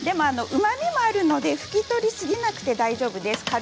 うまみもありますので拭き取りすぎなくて大丈夫です。